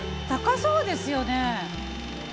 高そうですよね。